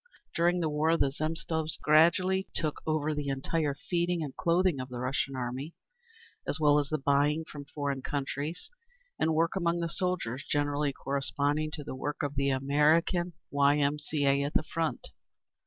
During the war the Zemstvos gradually took over the entire feeding and clothing of the Russian Army, as well as the buying from foreign countries, and work among the soldiers generally corresponding to the work of the American Y. M. C. A. at the Front.